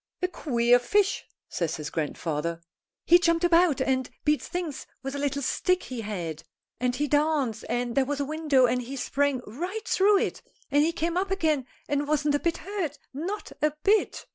"A queer fish," says his grandfather. "He jumped about and beat things with a little stick he had. And he danced, and there was a window and he sprang right through it, and he came up again and wasn't a bit hurt, not a bit.